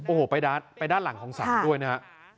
โอ้โหไปด้านหลังของศาลด้วยนะฮะ